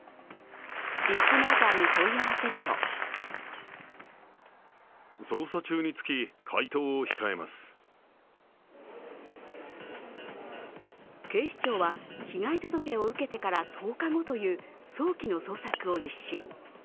ビッグモーターに問い合わせると警視庁は被害届を受けてから１０日後という早期の捜索を実施。